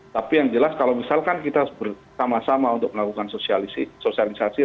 tapi yang jelas kalau misalkan kita bersama sama untuk melakukan sosialisasi